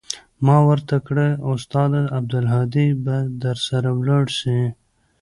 ما ورته كړه استاده عبدالهادي به درسره ولاړ سي.